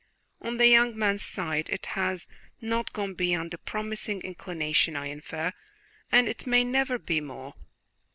On the young man's side it has not gone beyond a promising inclination, I infer, and it may never be more."